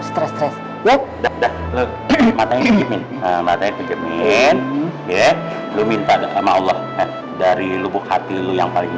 stress stress ya udah udah matanya kejamin ya lu minta sama allah dari lubuk hati lu yang paling